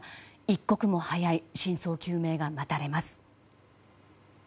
一刻も早い真相究明が待たれます。